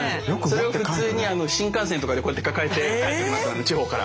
それを普通に新幹線とかでこうやって抱えて帰ってきますからね地方から。